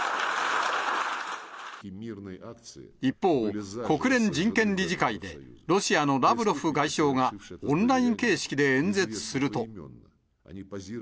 一方、国連人権理事会で、ロシアのラブロフ外相がオンライン形式で演説すると。